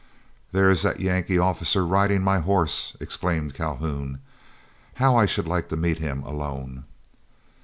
"There is that Yankee officer riding my horse!" exclaimed Calhoun. "How I should like to meet him alone."